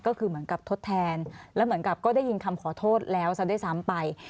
ก็คือเหมือนกับทดแทนแล้วเหมือนกับก็ได้ยินคำขอโทษแล้วซะด้วยซ้ำไป